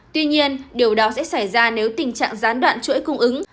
tuy nhiên điều đó sẽ xảy ra nếu tình trạng gián đoạn chuỗi cung ứng